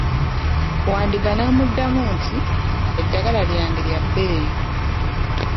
Wandiga n'amuddamu nti, eddagala lyange lya bbeeyi.